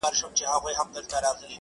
څوك به وران كي د ازل كښلي خطونه!!